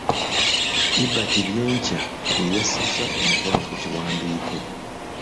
Ebert Byenkya ye yassizza omukono ku kiwandiiko.